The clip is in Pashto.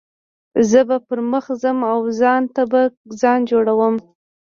زه به پر مخ ځم او ځان ته به ځای جوړوم.